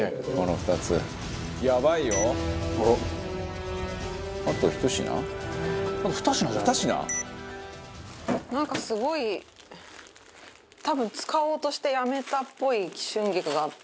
「２品？」なんかすごい多分使おうとしてやめたっぽい春菊があった。